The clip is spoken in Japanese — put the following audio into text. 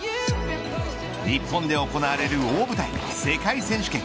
日本で行われる大舞台世界選手権。